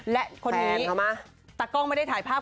และคนนี้ตากล้องไม่ได้ถ่ายภาพ